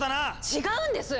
違うんです！